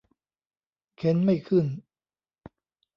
เข็นไม่ขึ้น